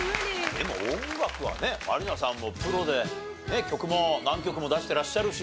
でも音楽はね満里奈さんもプロで曲も何曲も出していらっしゃるし。